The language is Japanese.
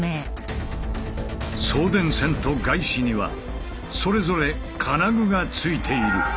送電線とガイシにはそれぞれ金具が付いている。